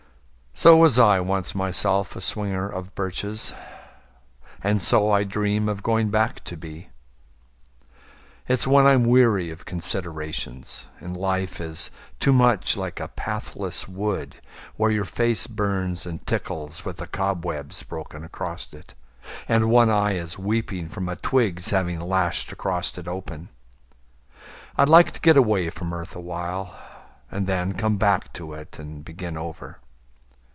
So was I once myself a swinger of birches. And so I dream of going back to be. It's when I'm weary of considerations, And life is too much like a pathless wood Where your face burns and tickles with the cobwebs Broken across it, and one eye is weeping From a twig's having lashed across it open. I'd like to get away from earth awhile And then come back to it and begin over.